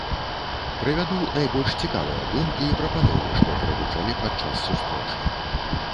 Прывяду найбольш цікавыя думкі і прапановы, што прагучалі падчас сустрэчы.